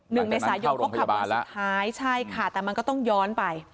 หนึ่งเมษายนเขาขับมาแล้วหายใช่ค่ะแต่มันก็ต้องย้อนไป